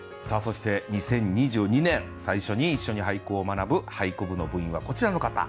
そして２０２２年最初に一緒に俳句を学ぶ俳句部の部員はこちらの方。